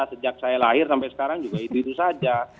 sejak saya lahir sampai sekarang juga itu itu saja